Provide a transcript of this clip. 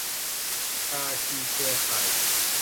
ภาคีเครือข่าย